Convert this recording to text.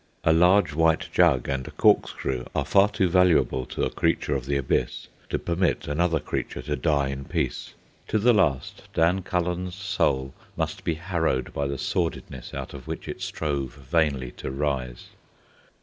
A large white jug and a corkscrew are far too valuable to a creature of the Abyss to permit another creature to die in peace. To the last, Dan Cullen's soul must be harrowed by the sordidness out of which it strove vainly to rise.